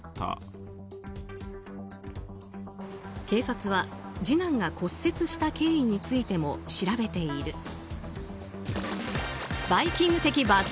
警察は次男が骨折した経緯についても調べている。